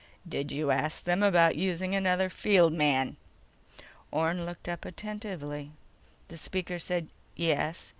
"Did you ask them about using another field man?" Orne looked up attentively. The speaker said: "Yes.